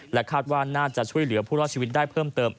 คาดว่าน่าจะช่วยเหลือผู้รอดชีวิตได้เพิ่มเติม